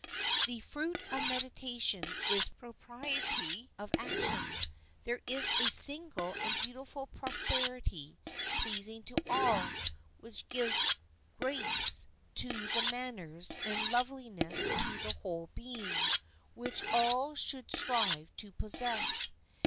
The fruit of meditation is propriety of action. There is a simple and beautiful propriety, pleasing to all, which gives grace to the manners and loveliness to the whole being, which all should strive to possess.